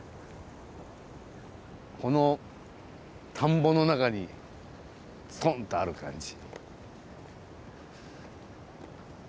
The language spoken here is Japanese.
この田んぼの中にすとんとある感じ。